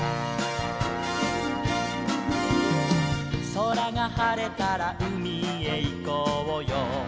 「そらがはれたらうみへいこうよ」